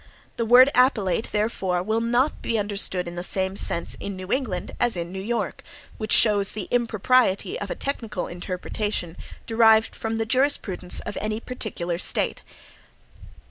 The word "appellate," therefore, will not be understood in the same sense in New England as in New York, which shows the impropriety of a technical interpretation derived from the jurisprudence of any particular State.